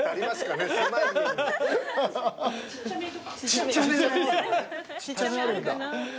ちっちゃめあるんだ。